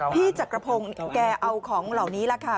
พี่จักรพงศ์แกเอาของเหล่านี้แหละค่ะ